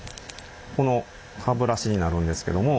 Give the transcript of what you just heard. この歯ブラシになるんですけども。